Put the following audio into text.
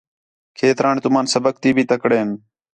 کھیتران تُمن سبق تی بھی تکڑین